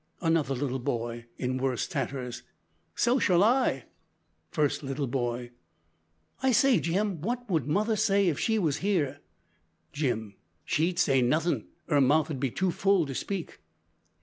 (Another little boy, in worse tatters.) "So shall I." (First little boy.) "I say, Jim, wot would mother say if she was here?" (Jim.) "She'd say nothin'. 'Er mouth 'ud be too full to speak."